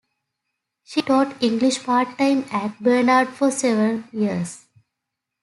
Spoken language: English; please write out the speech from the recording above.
She taught English part-time at Barnard for several years.